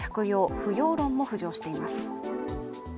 不要論も浮上しています。